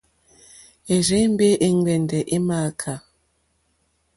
À rzé-mbè è ŋgbɛ̀ndɛ̀ è mááká.